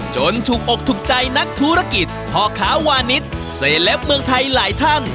จนถูกอกถูกใจนักธุรกิจพ่อค้าวานิสเซเลปเมืองไทยหลายท่าน